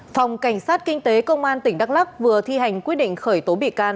phòng cảnh sát kinh tế công an tỉnh đắk lắc vừa thi hành quyết định khởi tố bị can